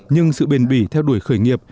nhưng sự bền bỉ theo đuổi khởi nghiệp